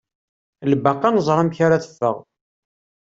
Lbaqi ad nẓer amek ara teffeɣ.